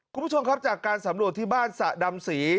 คุณผู้ชมครับจากการสำรวจที่บ้านสะดำศรี